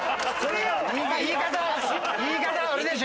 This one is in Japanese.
言い方があるでしょ！